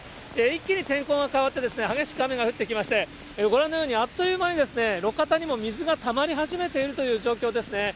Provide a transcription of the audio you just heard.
一気に天候が変わって、激しく雨が降ってきまして、ご覧のようにあっという間に路肩にも水がたまり始めているという状況ですね。